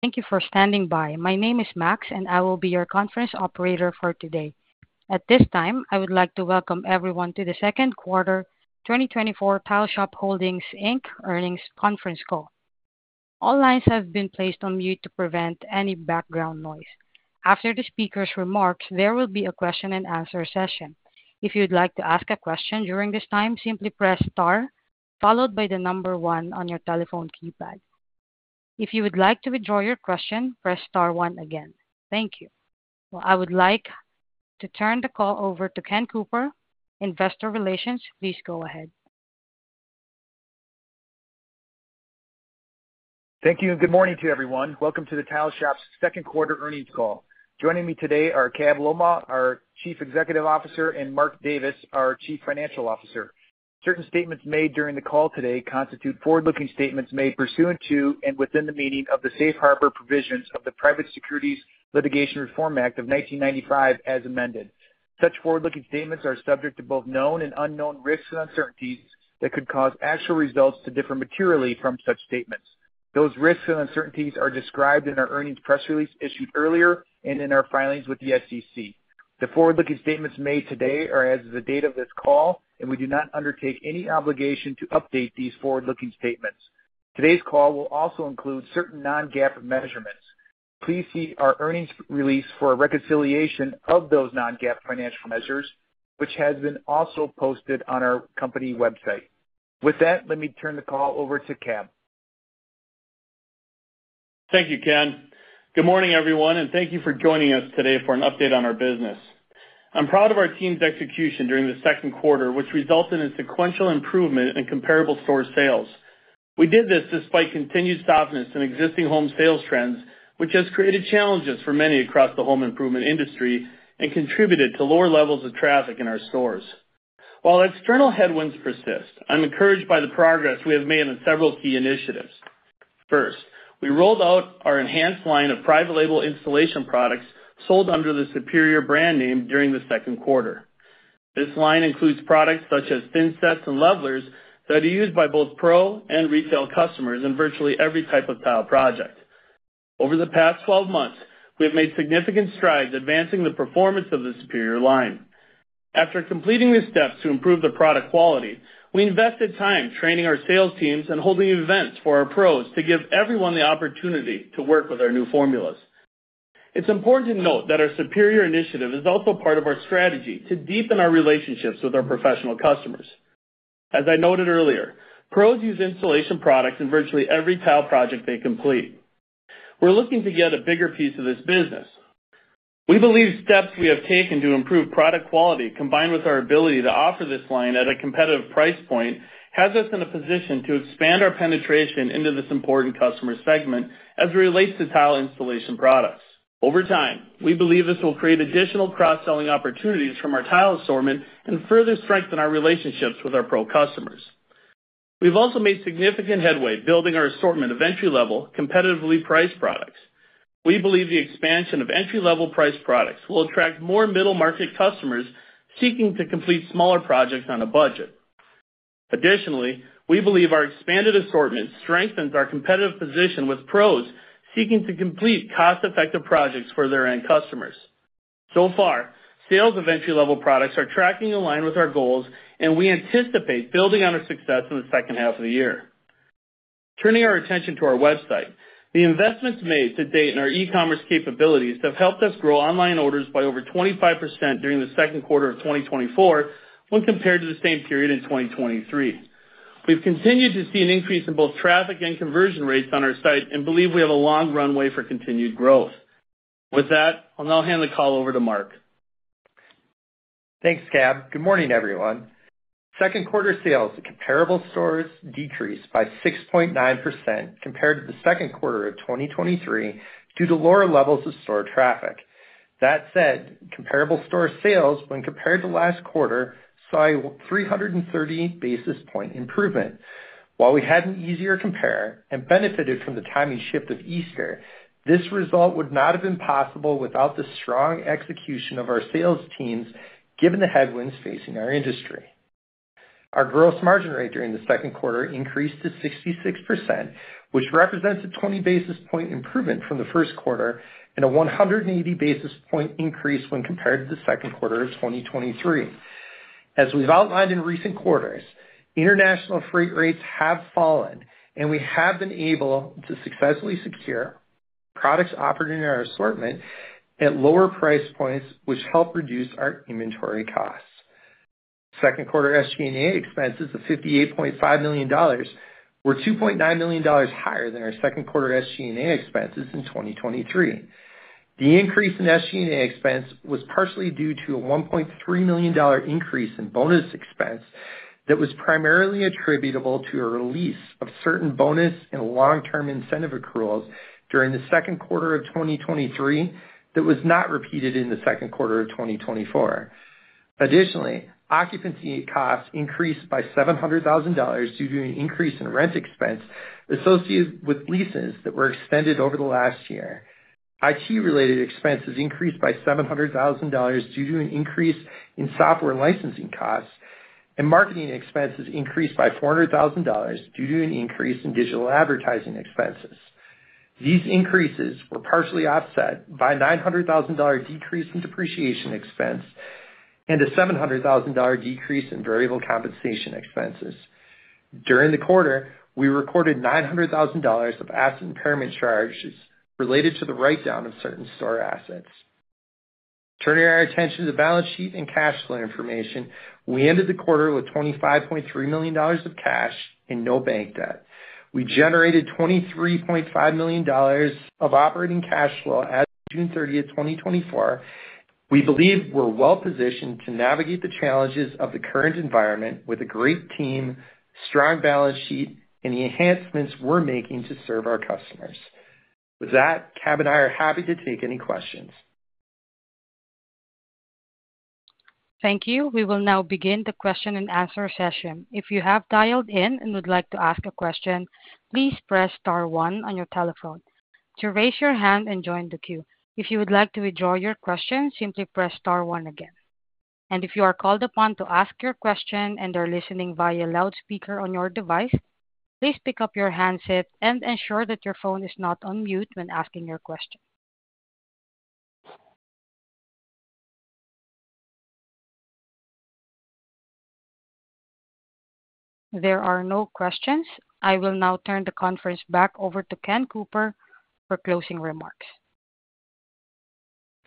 Thank you for standing by. My name is Max, and I will be your conference operator for today. At this time, I would like to welcome everyone to the second quarter 2024 Tile Shop Holdings, Inc. Earnings Conference Call. All lines have been placed on mute to prevent any background noise. After the speaker's remarks, there will be a question-and-answer session. If you'd like to ask a question during this time, simply press star, followed by the number one on your telephone keypad. If you would like to withdraw your question, press star one again. Thank you. Well, I would like to turn the call over to Ken Cooper, Investor Relations. Please go ahead. Thank you, and good morning to everyone. Welcome to The Tile Shop's second quarter earnings call. Joining me today are Cab Lolmaugh, our Chief Executive Officer, and Mark Davis, our Chief Financial Officer. Certain statements made during the call today constitute forward-looking statements made pursuant to and within the meaning of the Safe Harbor Provisions of the Private Securities Litigation Reform Act of 1995, as amended. Such forward-looking statements are subject to both known and unknown risks and uncertainties that could cause actual results to differ materially from such statements. Those risks and uncertainties are described in our earnings press release issued earlier and in our filings with the SEC. The forward-looking statements made today are as of the date of this call, and we do not undertake any obligation to update these forward-looking statements. Today's call will also include certain non-GAAP measurements. Please see our earnings release for a reconciliation of those non-GAAP financial measures, which has been also posted on our company website. With that, let me turn the call over to Cab. Thank you, Ken. Good morning, everyone, and thank you for joining us today for an update on our business. I'm proud of our team's execution during the second quarter, which resulted in sequential improvement in comparable store sales. We did this despite continued softness in existing home sales trends, which has created challenges for many across the home improvement industry and contributed to lower levels of traffic in our stores. While external headwinds persist, I'm encouraged by the progress we have made on several key initiatives. First, we rolled out our enhanced line of private label installation products sold under the Superior brand name during the second quarter. This line includes products such as thinsets and levelers that are used by both pro and retail customers in virtually every type of tile project. Over the past 12 months, we have made significant strides advancing the performance of the Superior line. After completing the steps to improve the product quality, we invested time training our sales teams and holding events for our pros to give everyone the opportunity to work with our new formulas. It's important to note that our Superior initiative is also part of our strategy to deepen our relationships with our professional customers. As I noted earlier, pros use installation products in virtually every tile project they complete. We're looking to get a bigger piece of this business. We believe steps we have taken to improve product quality, combined with our ability to offer this line at a competitive price point, has us in a position to expand our penetration into this important customer segment as it relates to tile installation products. Over time, we believe this will create additional cross-selling opportunities from our tile assortment and further strengthen our relationships with our pro customers. We've also made significant headway building our assortment of entry-level, competitively priced products. We believe the expansion of entry-level priced products will attract more middle-market customers seeking to complete smaller projects on a budget. Additionally, we believe our expanded assortment strengthens our competitive position with pros seeking to complete cost-effective projects for their end customers. So far, sales of entry-level products are tracking in line with our goals, and we anticipate building on our success in the second half of the year. Turning our attention to our website, the investments made to date in our e-commerce capabilities have helped us grow online orders by over 25% during the second quarter of 2024, when compared to the same period in 2023. We've continued to see an increase in both traffic and conversion rates on our site and believe we have a long runway for continued growth. With that, I'll now hand the call over to Mark. Thanks, Cab. Good morning, everyone. Second quarter sales at comparable stores decreased by 6.9% compared to the second quarter of 2023 due to lower levels of store traffic. That said, comparable store sales, when compared to last quarter, saw a 330 basis point improvement. While we had an easier compare and benefited from the timing shift of Easter, this result would not have been possible without the strong execution of our sales teams, given the headwinds facing our industry. Our gross margin rate during the second quarter increased to 66%, which represents a 20 basis point improvement from the first quarter and a 180 basis point increase when compared to the second quarter of 2023. As we've outlined in recent quarters, international freight rates have fallen, and we have been able to successfully secure products offered in our assortment at lower price points, which help reduce our inventory costs. Second quarter SG&A expenses of $58.5 million were $2.9 million higher than our second quarter SG&A expenses in 2023. The increase in SG&A expense was partially due to a $1.3 million increase in bonus expense that was primarily attributable to a release of certain bonus and long-term incentive accruals during the second quarter of 2023. That was not repeated in the second quarter of 2024. Additionally, occupancy costs increased by $700,000 due to an increase in rent expense associated with leases that were extended over the last year. IT-related expenses increased by $700,000 due to an increase in software licensing costs, and marketing expenses increased by $400,000 due to an increase in digital advertising expenses. These increases were partially offset by $900,000 decrease in depreciation expense and a $700,000 decrease in variable compensation expenses. During the quarter, we recorded $900,000 of asset impairment charges related to the write-down of certain store assets. Turning our attention to the balance sheet and cash flow information, we ended the quarter with $25.3 million of cash and no bank debt. We generated $23.5 million of operating cash flow as of June thirtieth, 2024. We believe we're well positioned to navigate the challenges of the current environment with a great team, strong balance sheet, and the enhancements we're making to serve our customers. With that, Cab and I are happy to take any questions. Thank you. We will now begin the question-and-answer session. If you have dialed in and would like to ask a question, please press star one on your telephone to raise your hand and join the queue. If you would like to withdraw your question, simply press star one again. If you are called upon to ask your question and are listening via loudspeaker on your device, please pick up your handset and ensure that your phone is not on mute when asking your question. There are no questions. I will now turn the conference back over to Ken Cooper for closing remarks.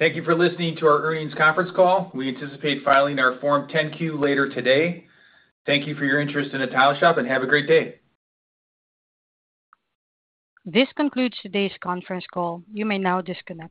Thank you for listening to our earnings conference call. We anticipate filing our Form 10-Q later today. Thank you for your interest in The Tile Shop, and have a great day. This concludes today's conference call. You may now disconnect.